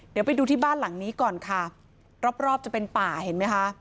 เดี๋ยวไปดูที่บ้านหลังนี้ก่อนค่ะรอบรอบจะเป็นป่าเห็นไหมคะ